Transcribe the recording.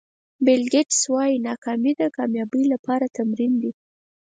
بیل ګېټس وایي ناکامي د کامیابۍ لپاره تمرین دی.